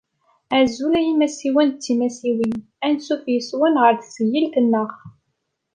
Azul ay imasiwen d tmasiwin! Ansuf yes-swen ɣer tesgilt-nneɣ!